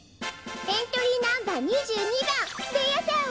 エントリーナンバー２２ばんベーヤさん